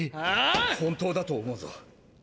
あぁ⁉本当だと思うぞ。